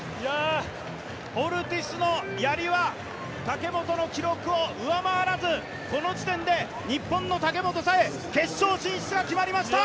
オルティスのやりは武本の記録を上回らずこの時点で日本の武本紗栄決勝進出が決まりました！